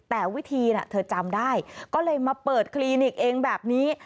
แต่วิธีเธอจำได้ก็เลยมาเปิดคลินิกเองแบบนี้